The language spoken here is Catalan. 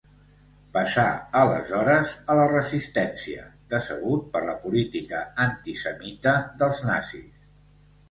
Passà aleshores a la resistència, decebut per la política antisemita dels nazis.